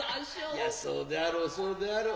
いやそうであろうそうであろう。